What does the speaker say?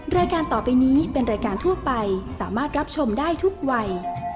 รายการต่อไปนี้เป็นรายการทั่วไปสามารถรับชมได้ทุกวัย